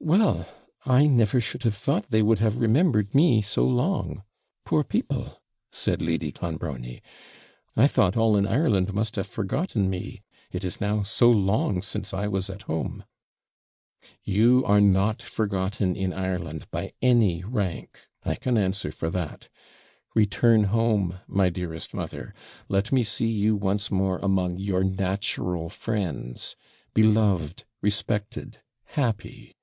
'Well! I never should have thought they would have remembered me so long! poor people!' said Lady Clonbrony. 'I thought all in Ireland must have forgotten me, it is now so long since I was at home.' 'You are not forgotten in Ireland by any rank, I can answer for that. Return home, my dearest mother let me see you once more among your natural friends, beloved, respected, happy!'